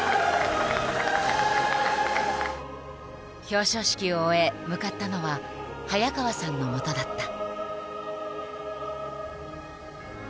表彰式を終え向かったのは早川さんのもとだった。